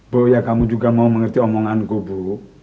bu ya kamu juga mau mengerti omonganku bu